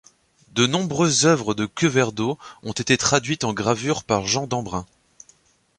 De nombreuses œuvres de Queverdo ont été traduites en gravure par Jean Dambrun.